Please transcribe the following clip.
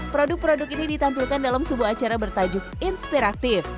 produk produk ini ditampilkan dalam sebuah acara bertajuk inspiratif